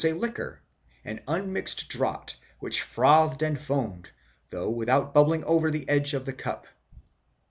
a liquor, an unmixed draught which frothed and foamed, though without bubbling over the edge of the cup.